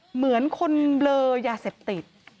เหมือนคนเบลอยาเสพติด